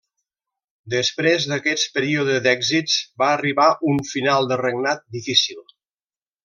Després d'aquest període d'èxits va arribar un final de regnat difícil.